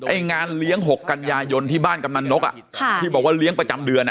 ไอ้งานเลี้ยงหกกัญญายนที่บ้านกำลังนกอ่ะค่ะที่บอกว่าเลี้ยงประจำเดือนอ่ะ